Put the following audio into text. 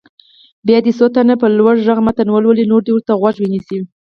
بیا دې څو تنه په لوړ غږ متن ولولي نور دې ورته غوږ ونیسي.